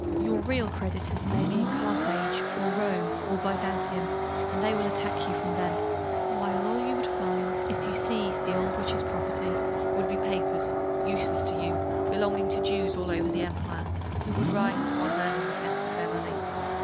Your real creditors may be in Carthage, or Rome, or Byzantium, and they will attack you from thence; while all that you would find if you seized the old witch's property, would be papers, useless to you, belonging to Jews all over the empire, who would rise as one man in defence of their money.